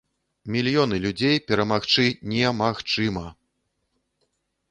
Мільёны людзей перамагчы немагчыма!